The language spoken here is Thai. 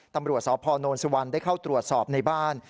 ตำรวจสพนสุวรรณได้เข้าตรวจสอบในบ้าน